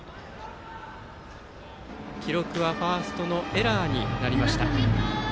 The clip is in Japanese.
記録はファーストのエラーになりました。